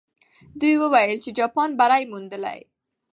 دوی وویل چې جاپان بری موندلی.